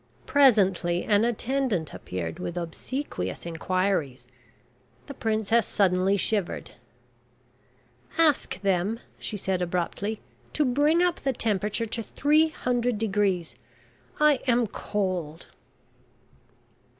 Presently an attendant appeared with obsequious inquiries. The princess suddenly shivered. "Ask them," she said, abruptly, "to bring up the temperature to 300 degrees, I am cold."